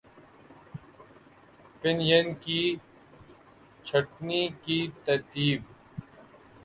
پن ین کی چھٹنی کی ترتیب